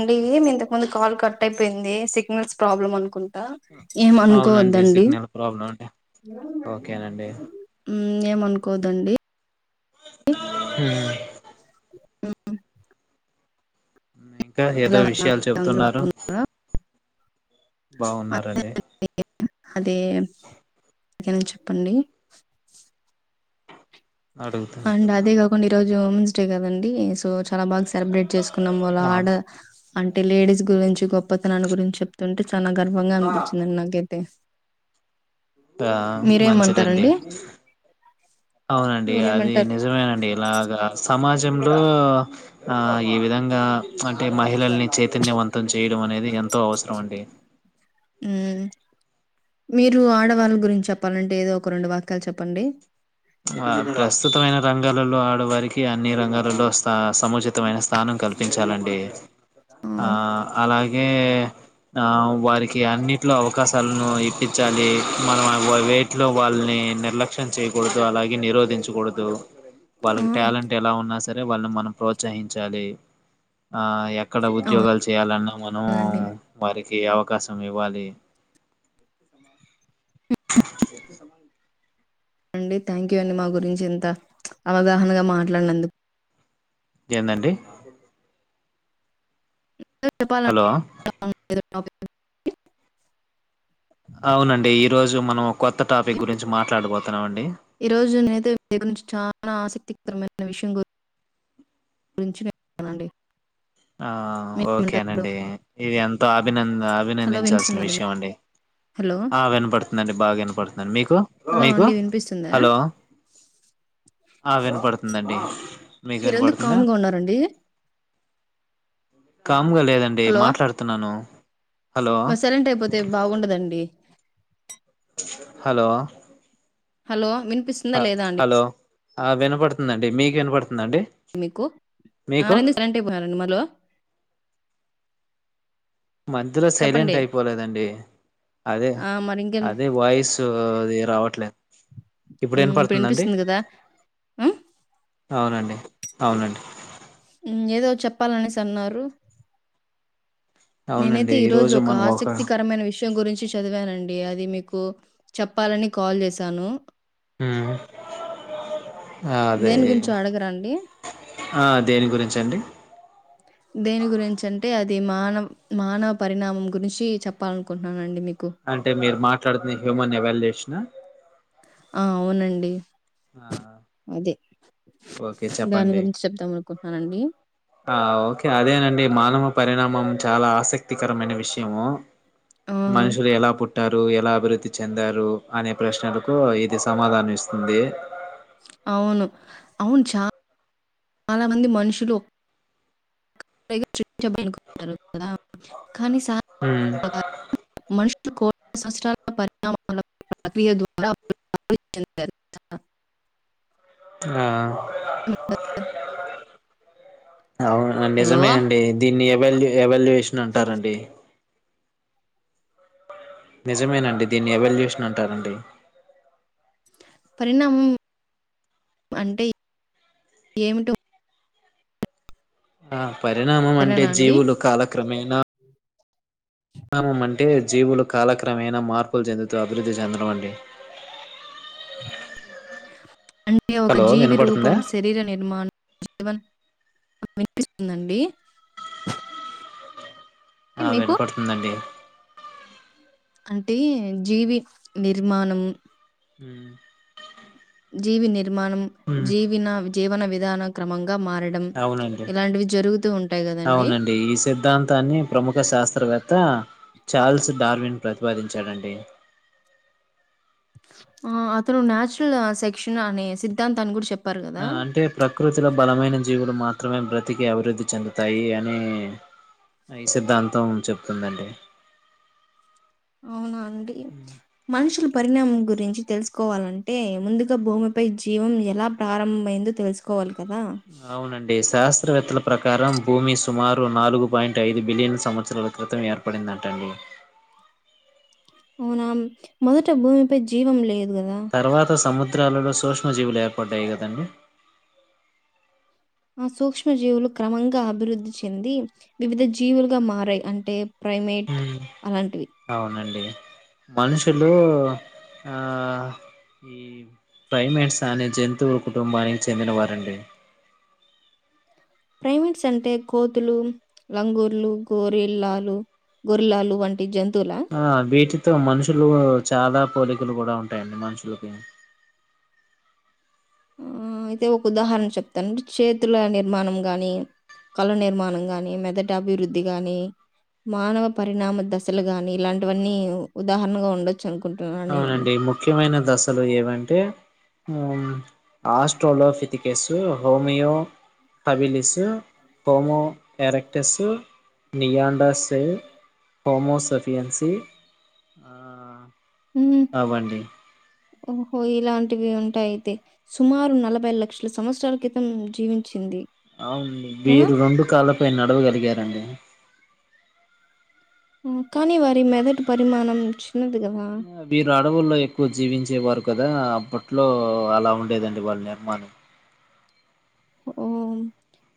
అండి ఇంతకు ముందు కాల్ కట్ అయిపోయింది సిగ్నల్స్ ప్రాబ్లమ్ అనుకున్ అవునండి సిగ్నల్ ప్రాబ్లం అండి ఓకేనండి ఏమనుకోదండి హ్మ్మ్ ఆ ఇంకా ఏదో ఉన్నారు విషయాలు అందరు చెబతున్నారు బాగున్నారా బాగున్నండి అదే క ఏదైనా చెప్పండి అడుగుతున్నా అండ్ అదే కాకుండా ఇరోజు చే కదండి సో చాలా బాగా సెలబ్రేట్ చేస్ కున్నాం వాలా అవును ఆడ అంటే లేడీస్ గురించి గొప్పతనాన్న గురించి చెప్త ంటే చాలా గర్వంగా అనిపించిందండి నాకైతే ఆ మంచిదండి మీరేమంటారండి అవునండి అది మీరేమంటారు నిజమేనండి ఇలాగా సమాజంలో ఆ ఈ విధంగా అంటే మహిళల్ని చైతన్యవంతం చేయడం అనేది ఎంతో అవసరం అండి ఉమ్ మీరు ఆడవాళ్ళ గురించి చెప్పాలంటే ఏదో ఒక రెండు వాక్యాలు చెప్పండి ఆ ప్రస్తుతమైన రంగాలలో ఆడవారికి అన్ని రంగాలలోా సముచితమైన స్థానం కల్పించాలండి ఆ అలాగే ఆ వారికి అన్నింటిలో అవకాశాలను ఇప్పించాలి మనం వేటిలో వాళ్ళని నిర్లక్ష్యం చేయకూడ అలాగే నిరోధించకూడదు ఆ వాళ్ళకి టాలెంట్ ఎలా ఉన్నా స సరే వాళ్ళని మనం ప్రోత్సహించాలి ఆ య ఇక్కడ ఉద్యోగాలు చేయాలన్నా మనం అవునండి వారి ఈ అవకాశం ఇవ్వాలి అండి థ్యాంక్ యూ అండి మా గురించి ఇంత అవగాహనగా మాట్లాడినందుక్ ఏందండి చెప్పాలంటే హలో [inaudible] అవునండి ఇ ఈ రోజు మనం కొత్త టాపిక్ గురించి మాట్లాడబతున్నాం అండి ఈ రోజు నేత ద గురించి చాలా ఆసక్తికరమైన విషయం గురు గురించి నేనండి ఆ ఓకేనండి ఇది ఎంతో అభిన హలో అభినందించాల్సిన వినిపిస్తుందండి మీ విషయం అండి హలో ఆ వినపడుతుందిండి బాగా వినపడుతుందిండి మీకు హలో మీకు అండి వినిపిస్తుందా హలో ఆ వినపడుతుందండి మీకు మీరెందుకు వినపడుతుందా కాముగా ఉన్నారండి కా గా లేదండి హలో మాట్లాడుతున్నాను హలో సైలెంట్ అయిపోతే బాగుండదండి హలో హలో వినిపిస్తుందా లేదా అండి హలో ఆ వినపడుతుందండి మీకు వినపడుతుంది మీకు రం సార్ అంట అయిపోయిారండి మలో మధ్యలో సైలెంట్ చెప్పండి అయిపోలేదండి అదే ఆ మరి ఇంకేం అదే వాయిస్ అది రావట్లేదు ఇప్పుడు ఉమ్, వినపడుతుందా అండి వినిపిస్తుంది కదా ఉమ్, అవునండి అవునండి ఏదో చెప్పాలనేసి అన్నారు నేనైతే అవునండి ఈ రోజు ఈరోజు ఒక మనం ఆసక్తికరమైన విషయం గురించి చదివానండి డి అది మీకు చెప్పాలని కాల్ చేసాను హహా అదే దేని గురించో అడగరా అండి? ఆ అ దేని గురించి అంచండి దేని గురించి అంటే అది మానవ మానవ పరిణామం గురించి చెప్పాలనుకుంటున్నానండి మీకు అంటే మీరు మాట్లాడుతున్న హ్యూమన్ ఎవాల్యషన్ కృష్ణ ఆ! అవునండి అదే ఓకే దాని చెప్పండి గురించి చెప్దాం అనుకుంటున్నానండి. ఆ ఓకే అదేనండి మానవ పరిణామం చాలా ఆసక్తికరమైన విషయము ఆ! మనుషలు ఎలా పుట్ట పట్టారు ఎలా అభివృద్ధి చెందారు అనే ప్రశ్నలకు ఇది సమాధానం ఇస్తుంది అవును అవును చా చాలా మంది మనుషులు కదా ఖాని సహ ఉమ్ మ కోట్ల సంవత్సరాల పరిణామాల ప్రక్రియ ద్వారా చె ఆ అవును హలో! నిజమే అండి దీన్ని ఎవల్ ఏవియేషన్ ఎవల్యూషన్ అంటారండి నిజమేనండి దీన్ని ఎవల్యూషన్ అంటారండి పరిణామం అంటే ఏమిటో ఆ పరిణామం అంటే వివరణ అండి? జీవులు కాలక్రమే నా పరిణామం అంటే జీవులు కాలక్రమేన మార్పులు చెందుతూ అభివృద్ధి చెందడం అండి అంటే ఒక హలో జీవి వినపడుతుందా రూపం శరీర నిర్మాణం జీవన్ వినిపిస్తుందండి ఆ వినపడుతుందండి అంటే జీవి నిర్మాణం హ జీవి న నిర్మాణం జీవినా జీవన విధా క్రమంక అవునండి ఉంటాయి గదండీ! అవునండి ఈ సిద్ధాంతాన్ని ప్రముఖ శాస్త్రవేత్త చార్ల్స్ డార్విన్ ప్రతిపాదించాడండి ఆ అతను నాచురల్ సెక్షన్ అనే సిద్ధాంతాన్ని కూడా చెప్ ఆ అంటే ప్రకృతిలో బలమైన జీవులు మాత్రం మాత్రమే బ్రతికి అభివృద్ధి చెందుతాయి అని ఈ సిద్ధాంతం చెప్తుందండి అవునా అండి ఉమ్, మనుషులు పరిణామం గురించి తెలుసుకోవాలంటే ముందుగా భూమిపై జీవం ఎలా ప్రారంభమైందో తెలుసుకోవాలి కదా! అవునండి శాస్త చిస్త్రవేత్తల ప్రకారం భూమి సుమారు నాలుగు పాయింట్ ఐదు బిలియన్ల సంవత్సరాల క్రితం ఏర్పడిందంటండి అవునా మొదట భూమిపై జీవం లేదు గదా! తరువాత సముద్ర చిత్రాలలో సూక్ష్మజీవులు ఏర్పాటదయి కదండి ఆ సూక్ష్మ జీవులు క్రమంగా అభివృద్ధి చెంది వివిధ జీవులుగా మారాయి అంటే ప్రైమేట్ మ్మ్ అలాంటివి అవునండి మనుషులు ఆ ఈ ప్ర్లైమేట్స్ అనే జంతువుల కుటుంబానికి చెందినవారండి ప్రైమేట్స్ అంటే కోతులు లంగూర్లు గోరెల్లాలు గొరలాలు వంట జంతువులా మ మనుషులు చాలా పోలికలు కూడా ఉంటాయండి మనుషులకి ఆ అయితే ఒక ఉదాహరణ చెప్తానుంటే చేతుల నిర్మాణం గాని కళ నిర్మాణం గాని మెదట అభివృద్ధి గాని మానవ పరిణామ దశలు గాని ఇలాంటివన్నీ ఉదాహరణగా ఉండొచ్చు అవునండి ముఖ్యమైన దశలు ఏవంటే australopithecus homo habilis homo కరెక్టర్స్ నీయాడాస్ హోమోసఫీ P N C ఆ హ్మ్. అవ్వండి ఓహో ఇలాంటివి ఉంటాయి అయితే సుమారు నలభై లక్షల సంవత్సరాల క్రితం జీవించింది అవును కదా! మీరు రెండు కాళ్ళపై నడవగలిగారండి హ కానీవారి మెదట్ పరిమాణం చిన్నది గదా! వీరు అడవుల్లో ఎక్కువ జీవించే వారు కదా అప్పట్లో అలా ఉండేదండి వాళ్ళ నిర్మాణం ఓ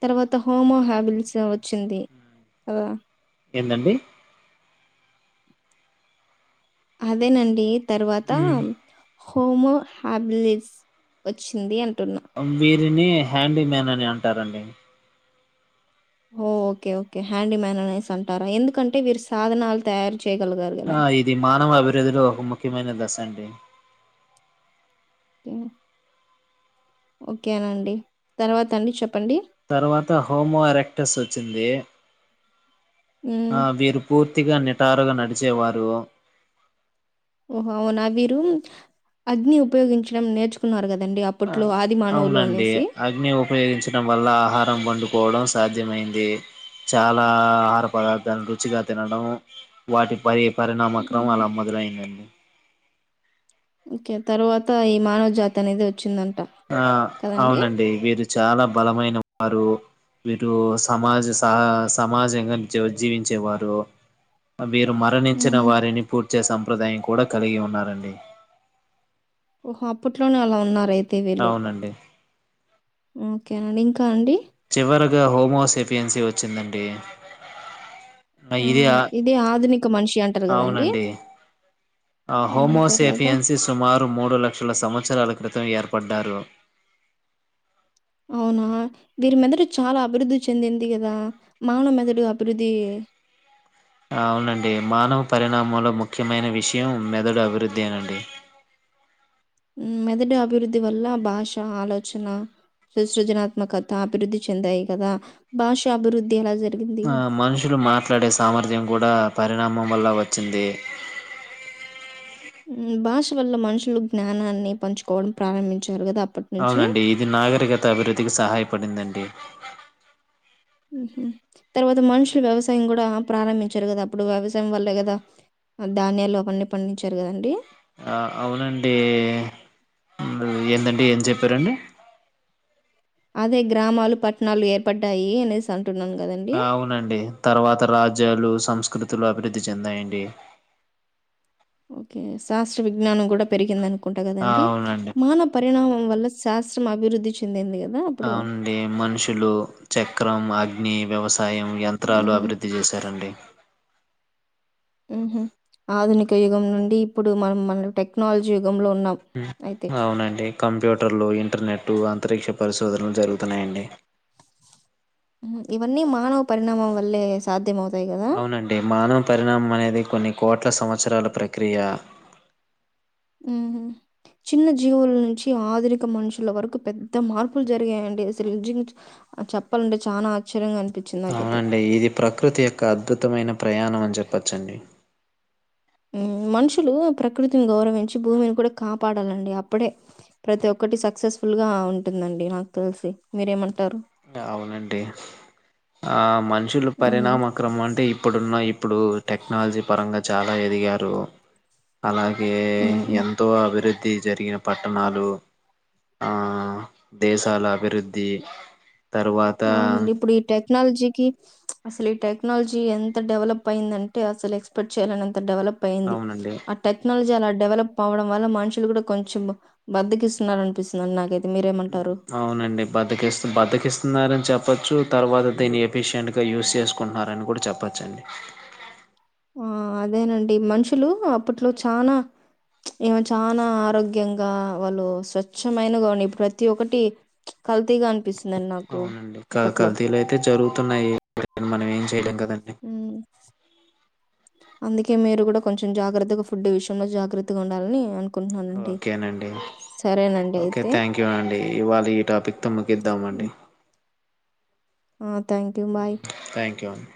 తర్వాత హోమో హ్యాబిల్స్ వచ్చింది కదా ఏందండి అదేనండి తర్వాత హోమోహాబిలిట్స్ వచ్చింది అం అంబీర్ దీని హ్యాండీ మ్యాన్ అని అంటారండి ఓ ఓకే ఓకే హ్యాండిమ్యాన్ అనేస్ అంటారా ఎందుకంటే వీరి సాధనాలు తయారు చేయగలిగారు గదా! ఆ ఇది మానవ అభివృద్ధిలో ఒక ముఖ్యమైన దశ అండి. హ ఓకేనండి తర్వాత అండి చెప్పండి తర్వాత హోమో అరెక్టస్ వచ్చింది హ్మ్. ఆ వీరు పూర్తిగా నె ట్టారుగా నడిచే వారు ఓహొ అవునా వీరు అగ్ని ఉపయోగించడం నేర్చుకున్నారు కదా ఆ అవునండి అగ్ని ఉపయోగించడం వల్ల ఆహారం పండు పోవడం సాధ్యమైంది చాలా ఆహార పదార్థాల రుచిగా తినడం వాటి పరి పరిణామక్రం మ్మ్. అలా మొదలైందండి ఓకే తర్వాత ఈ మానవ జాతి అనేది వచ్చిందను ఆ అవునండి వీరు చ చాలా బలమైన వారు వీరు సమాజ సహ సమాజంగా జీవించేవారు వీరు మరణించిన మ్మ్. వారిని పుట్ చేసే సంప్రదాయం కూడా కలిగి ఉన్నారండి ఓహో అప్పట్లోనే అలా ఉన్నారయితే అవునండి ఓకే అండి ఇంకా అండి చివరగా హోమోసెపియన్సీ వచ్చిందండి ఇది ఆ ఇదే ఆధునిక మనిషి అంటారు కదండి అవునండి మ్మ్. తర్వాత హోమోసెఫియన్సీ సుమారు మూడు లక్షల సంవత్సరాల క్రితం ఏర్పడ్డారు అవునా వీరిమెదడు చాలా అభివృద్ధి చెందింది కదా మానవ మెదడు అభివృద్ధి అవునండి మానవ పరిణామంలో ముఖ్యమైన విషయం మెదడు అభివృద్దెనండి హు మెదటి అభివృద్ధి వల్ల భాష ఆలోచన స సృజనాత్మకత అభివృద్ధి చెందాయి కదా భాష అభివృద్ధి ఎలా జరిగిం ఆ మనుషులు మాట్లాడే సామర్థ్యం కూడా పరిణామం వల్ల వచ్చిందే భాష వల్ల మనుషులు జ్ఞానాన్ని పంచుకోవడం ప్రారంభించు అవునండి ఇది నాగరికత అభివృద్ధికి సహాయపడిందండ్ డి మ్ హు తర్వాత మనుషులు వ్యవసాయం కూడా ప్రారంభించారు కదా అప్పుడు వ్యవసాయం వల్లే కదా ధాన్యాలు అవన్నీ పండించారు కదండి ఆ అవునండి ఏందండి ఏం చెప్పారండి అదే గ్రామాలు పట్టణాలు ఏర్పడ్డాయి అనేసం ఆ అవునండి తర్వాత రాజ్యాలు సంస్కృ స్కృతులు అభివృద్ధి చెందయండి ఓకే శాస్త్ర విజ్ఞానం కూడా పెరిగిందనుకో కుంటా ఆ, కదండి అవునండి మాన పరిణామం వల్ల శాస్త్రం అభివృద్ధి చెందింది క అవుడి మనుషులు చె క్రం అగ్ని వ్యవసా సాయం యంత్రాలు హ్మ్. అభివృద్ధి చేశారండి మ్ హు ఆధునిక యుగం నుండి ఇప్పుడు మనం మన టెక్నాలజీ యుగంలో ఉన్నాం అయితే. హు అవునండి కంప్యూటర్లు ఇం టర్నెట్టు అంతరిక్ష పరిశోధనలు జరుగుతున్నాయండి ఇవన్నీ మానవ పరిణామం వల్లే సాధ్యమవు అవునండి మానవ పరిణామం అనేది కొన్ని కోట్ల సంవత్సరాల ప్రక్రియ ఉహు చిన్న జీవుల నుంచి ఆధునిక మనుషుల వరకు పెద్ద మార్పులు జరిగాయండి అసలు నిజం చెప్పాలంటె చాన ఆశ్చర్యంగా అన్ అవునండి ఇది ప్రకృతి యొక్క అద్భుతమైన ప్రయాణం అని చెప్పోచ్చండి హు మనుషులు ప్రకృతిని గౌరవించి భూమిని కూడ కాపాడాలండి అప్పుడే ప్రతి ఒక్కటి సక్సెస్ఫుల్ గా ఉంటుందండి నాకు తెలిసి మీరేమన్ అవునండి ఆ మనుషుల హ్మ్. పరిణామక్రమం అంటె ఇప్పుడున్న ఇప్పుడు టెక్నాలజీ పరంగా చాల ఎదిగారు అలాగే హ్మ్. హ్మ్. ఎంతో అభివృద్ధి జరిగిన పట్టణాలు ఆ దేశాల అభివృద్ధి తరువాత అవునండి ఇప్పుడు ఈ టేక్ క్నాలజీకి అసలు ఈ టెక్నాలజీ ఎంత డెవలప్ అయిందంటె అసలు ఎక్స్పెక్ట్ చేయలెనం డెవలప్ అయింది అవునండి. ఆ టెక్నాలజీ అలన్ డెవలప్ అవ్వడం వల్ల మనుషులు కూడ కొంచెం బద్దకిస్తున్నారు అనిపిస్తుంది నాకైతె అవునండి బద్దకిస్ బద్దకిస్తున్నారని చెప్ ప్పోచ్చు తర్వాత దీన్ని ఎఫిషియంట్ గ యూస్ చేసుకుంటున్నారని కూడ చెప్పచ్చండి ఆ అదేనండి మనుషులు అప్పట్లో చాన ఏమో చాన ఆరోగ్యంగా వాళ్ళు స్వచ్ఛమైనగా ఉనీ ప్రతి ఒక్కటి కల్తీగా అనిపిస్ అవునండి కల్ కల్తీలైతె జరుగుతున్నాయి మనం ఏంచె చేయలేం గ మ్మ్ అందుకే మీరు గుడ కొంచెం జాగ్రత్తగా ఫుడ్ విషయంలో జాగ్రత్తగా ఉండాలని అన్ ఓకేనండి ఓకె అయితే. థ్యాంక్ యూ అండి ఇవాళ ఈ టాపిక్తో ముగిద్దాం అండి ఆ thank you bye thank you అండి